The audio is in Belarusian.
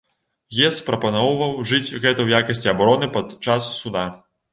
Гес прапаноўваў ужыць гэта ў якасці абароны пад час суда.